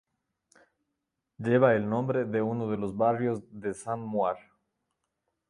Lleva el nombre de un de los barrios de Saint-Maur.